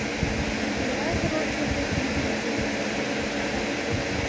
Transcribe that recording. Театр ончылно ӱдыр уке ыле.